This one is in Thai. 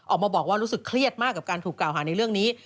ออกมาบอกว่ารู้สึกเครียดมากกับการถูกกล่าวหาในเรื่องนี้